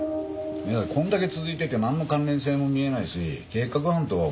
いやこんだけ続いててなんの関連性も見えないし計画犯とは思えないな。